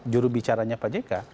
jurubicaranya pak jk